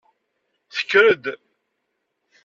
Tekker-d.